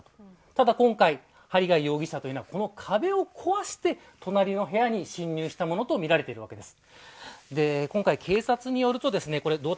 ただ、今回針谷容疑者というのは壁を壊して、隣の部屋に侵入したものとみられているわけです。